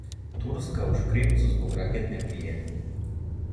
Турска у шкрипцу због ракетне пријетње